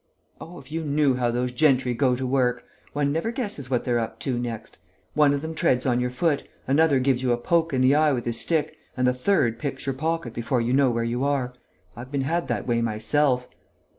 "Oh, if you knew how those gentry go to work! One never guesses what they're up to next. One of them treads on your foot, another gives you a poke in the eye with his stick and the third picks your pocket before you know where you are.... I've been had that way myself."